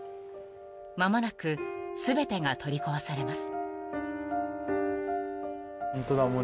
［間もなく全てが取り壊されます］